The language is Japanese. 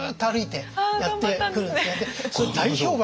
これ大評判